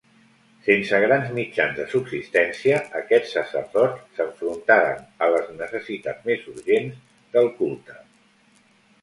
Sense grans mitjans de subsistència, aquests sacerdots s'enfrontaren a les necessitats més urgents del culte.